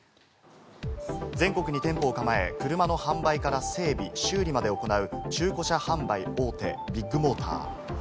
全国に店舗を構え、車の販売から整備・修理まで行う中古車販売大手・ビッグモーター。